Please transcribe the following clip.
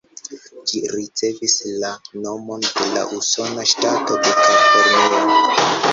Ĝi ricevis la nomon de la usona ŝtato de Kalifornio.